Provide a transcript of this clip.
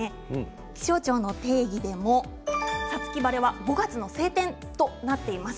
気象庁の定義でも、さつき晴れは５月の晴天となっています。